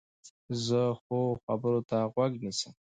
زه ښو خبرو ته غوږ نیسم.